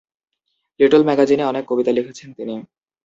Little ম্যাগাজিনে অনেক কবিতা লিখেছেন তিনি।